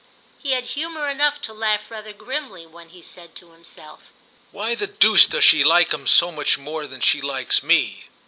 He had humour enough to laugh rather grimly when he said to himself: "Why the deuce does she like him so much more than she likes me?"